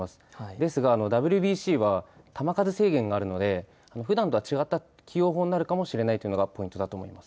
ですが、ＷＢＣは球数制限があるので、ふだんとは違った起用法になるかもしれないというのがポイントだと思います。